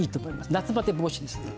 夏バテ防止です。